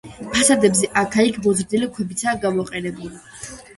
ფასადებზე აქა-იქ მოზრდილი ქვებიცაა გამოყენებული.